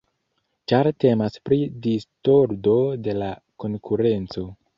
Ĉar temas pri distordo de la konkurenco.